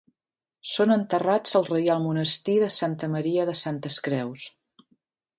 Són enterrats al Reial Monestir de Santa Maria de Santes Creus.